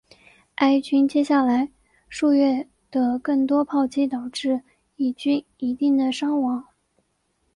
埃军接下来数月的更多炮击导致以军一定的伤亡。